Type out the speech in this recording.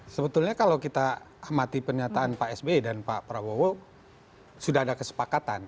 sebetulnya kalau kita amati pernyataan pak sby dan pak prabowo sudah ada kesepakatan